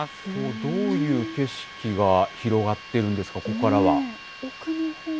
どういう景色が広がってるんですか、ここからは。